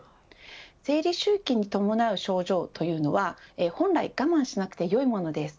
生理周期に伴う症状というのは本来我慢しなくてよいものです。